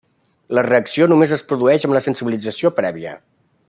La reacció només es produeix amb la sensibilització prèvia.